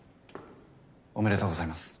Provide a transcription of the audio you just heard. おめでとうございます。